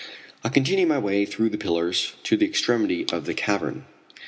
I continue my way through the pillars to the extremity of the cavern.